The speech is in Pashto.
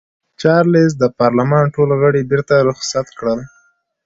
چارلېز د پارلمان ټول غړي بېرته رخصت کړل.